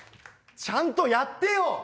ちゃんとやってよ！